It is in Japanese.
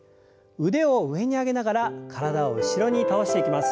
腕を上に上げながら体を後ろに倒していきます。